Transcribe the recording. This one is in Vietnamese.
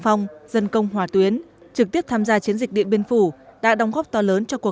phong dân công hỏa tuyến trực tiếp tham gia chiến dịch điện biên phủ đã đóng góp to lớn cho cuộc